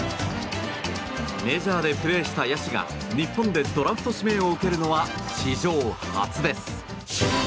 メジャーでプレーした野手が日本でドラフト指名を受けるのは史上初です。